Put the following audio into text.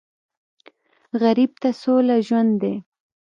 غریب ته سوله ژوند دی